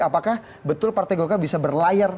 apakah betul partai golkar bisa berlayar